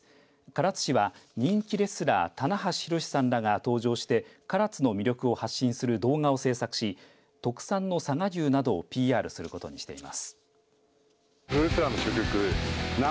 唐津市は、人気レスラー棚橋弘至さんらが登場して唐津の魅力を発信する動画を制作し特産の佐賀牛などをＰＲすることにしています。